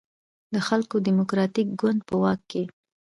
د خلکو دیموکراتیک ګوند په واک کې.